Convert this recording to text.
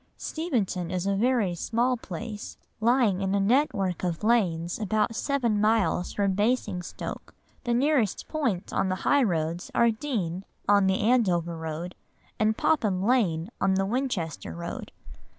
Steventon is a very small place, lying in a network of lanes about seven miles from Basingstoke. The nearest points on the high roads are Deane, on the Andover Road, and Popham Lane on the Winchester Road.